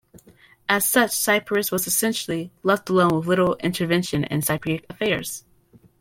As such Cyprus was essentially "left alone with little intervention in Cypriot affairs".